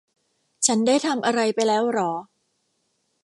ฉันได้ทำอะไรไปแล้วหรอ